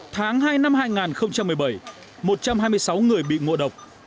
tháng hai năm hai nghìn một mươi bảy một trăm hai mươi sáu người bị ngộ độc